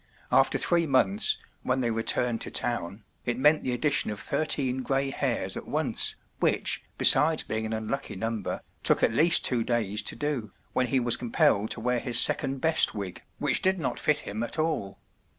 After three months, when they returned to town, it meant the addition of thirteen grey hairs at once, which, besides being an unlucky number, took at least two days to do, when he was compelled to wear his second best wig, which did not fit him at all.